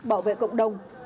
bảo vệ cộng đồng